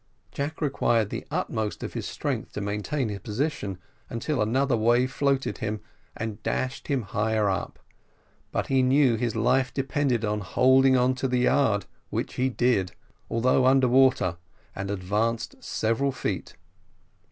Jack required the utmost of his strength to maintain his position until another wave floated him, and dashed him higher up: but he knew his life depended on holding on to the yard, which he did, although under water, and advanced several feet.